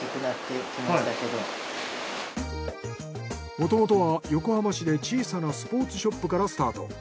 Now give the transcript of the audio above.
もともとは横浜市で小さなスポーツショップからスタート。